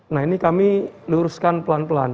nah ini kami luruskan pelan pelan